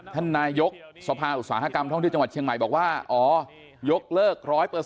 ท่านนายกสภาอุตสาหกรรมท่องเที่ยวจังหวัดเชียงใหม่บอกว่าอ๋อยกเลิก๑๐๐